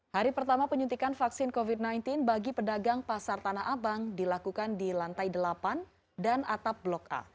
hari pertama penyuntikan vaksin covid sembilan belas bagi pedagang pasar tanah abang dilakukan di lantai delapan dan atap blok a